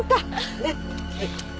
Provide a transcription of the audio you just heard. ねっ？